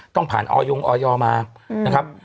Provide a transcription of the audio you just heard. ต้องผ่านออยงออยมานะครับ